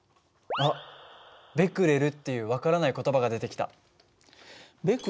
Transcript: あっベクレルっていう分からない言葉が出てきた。